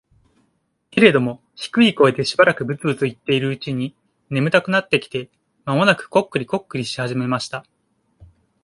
けれども、低い声でしばらくブツブツ言っているうちに、眠たくなってきて、間もなくコックリコックリし始めました。